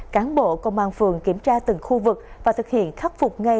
cán bộ công an phường kiểm tra từng khu vực và thực hiện khắc phục ngay